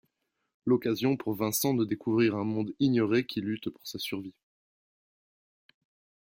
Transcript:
L’occasion pour Vincent de découvrir un monde ignoré qui lutte pour sa survie.